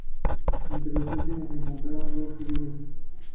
Los nombres en la carrera incluyeron a David Lemieux, Ryota Murata y Rob Brant.